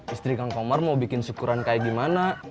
istri kang komar mau bikin syukuran kayak gimana